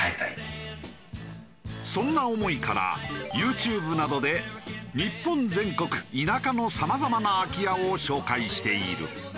そんな思いからＹｏｕＴｕｂｅなどで日本全国田舎のさまざまな空き家を紹介している。